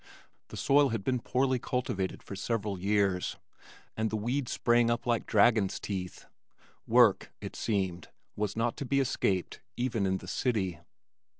The soil had been poorly cultivated for several years, and the weeds sprang up like dragons' teeth. Work, it seemed, was not to be escaped even in the city.